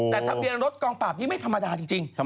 แต่ทะเบียนรถกองปราบนี้ไม่ธรรมดาจริง